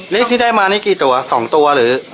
เลขนี้ได้มากี่ตัว๒ตัว